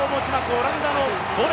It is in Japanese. オランダのボル